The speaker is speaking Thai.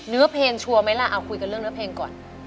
เนื้อเพลงชัวร์ไหมล่ะเอาคุยกันเรื่องเนื้อเพลงก่อน